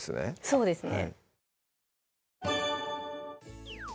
そうですね